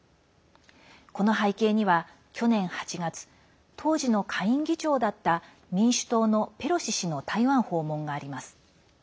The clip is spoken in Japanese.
この背景には去年８月、当時の下院議長だった民主党のペロシ氏の台湾訪問があります。